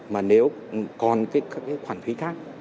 mà nếu còn khoản phí khác